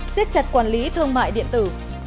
xếp chặt quản lý thương mại điện tử